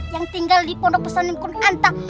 yang tinggal di pondok pesanimkun anta